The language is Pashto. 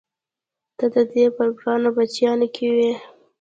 ته د دې په ګرانو بچیانو کې وې؟